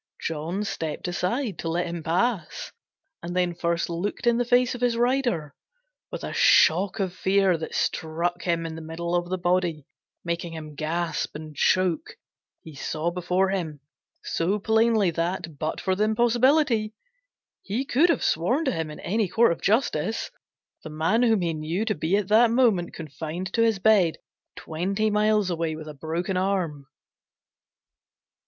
John stepped aside to let him pass, and then first looked in the face of his rider: with a shock of fear that struck him in the middle of the body, making him gasp and choke, he saw before him so plainly that, but for the impossibility, he could have sworn to him in any court of justice the man whom he knew to be at that moment confined to his bed, twenty miles away, with a broken arm.